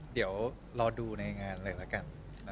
เดี๋ยวรอดูในงานเลยละกัน